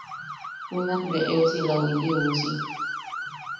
Junak bea eusila ju ili uusi.